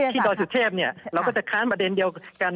ดอยสุเทพเราก็จะค้านประเด็นเดียวกัน